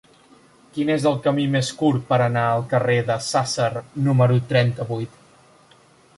Quin és el camí més curt per anar al carrer de Sàsser número trenta-vuit?